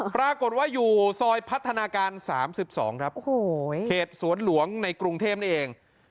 ปรากฏว่าอยู่ซอยพัฒนาการ๓๒ครับเขตสวนหลวงในกรุงเทพนี่เอง